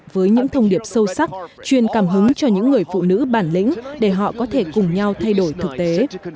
với những thông điệp sâu sắc truyền cảm hứng cho những người phụ nữ bản lĩnh để họ có thể cùng nhau thay đổi thực tế